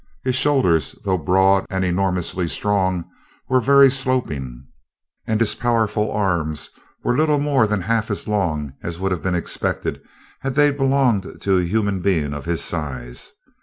His shoulders, though broad and enormously strong, were very sloping, and his powerful arms were little more than half as long as would have been expected had they belonged to a human being of his size.